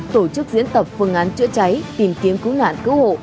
tổ chức diễn tập phương án chữa cháy tìm kiếm cứu nạn cứu hộ